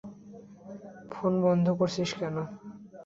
Phone বন্ধ করছিস কেন?